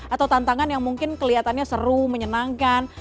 atau tantangan yang mungkin kelihatannya seru menyenangkan